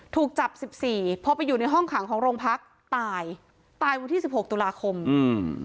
ถูกจับสิบสี่พอไปอยู่ในห้องขังของโรงพักตายตายวันที่สิบหกตุลาคมอืม